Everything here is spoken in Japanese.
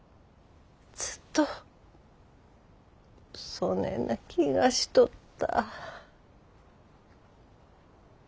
ずっとそねえな気がしとった。